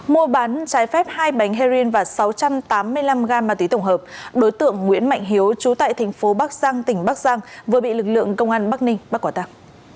mua bán trái phép hai bánh heroin và sáu trăm tám mươi năm g ma tí tổng hợp đối tượng nguyễn mạnh hiếu chú tại tp bắc giang tỉnh bắc giang vừa bị lực lượng công an bắc ninh bắt quả tạc